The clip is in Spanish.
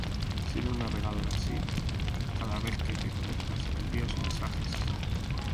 Sin un navegador así, cada vez que te conectas envías mensajes